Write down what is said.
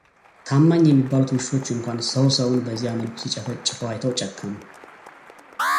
ታማኝ የሚባሉት ውሾች እንኳን ሰው ሰውን በዚያ መልኩ ሲጨፈጭፈው አይተው ጨከኑ።